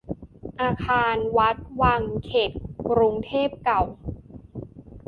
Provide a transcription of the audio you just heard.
อาคาร วัด วัง แถวเขตกรุงเทพเก่า